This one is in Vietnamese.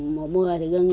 mùa mưa thì ngưng